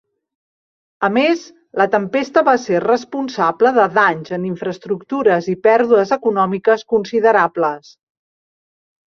A més, la tempesta va ser responsable de danys en infraestructures i pèrdues econòmiques considerables.